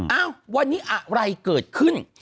เอ้าวันนี้อะไรเกิดขึ้น